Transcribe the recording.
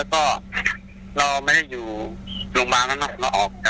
ยังไม่แล้วเสร็จ